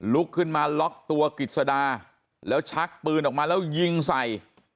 ลุกขึ้นมาล็อกตัวกิจสดาแล้วชักปืนออกมาแล้วยิงใส่